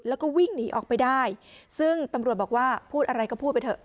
แล้วก็วิ่งหนีออกไปได้ซึ่งตำรวจบอกว่าพูดอะไรก็พูดไปเถอะ